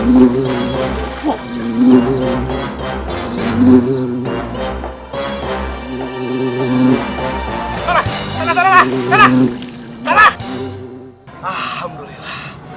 bukan bukan karena